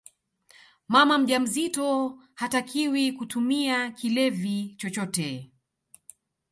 mama mjamzito hatakiwi kutumia kilevi chochote